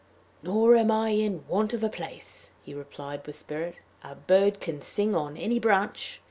"Nor am I in want of a place," he replied, with spirit; "a bird can sing on any branch.